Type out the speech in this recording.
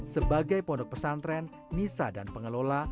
sebagai pondok pesantren nisa dan pengelola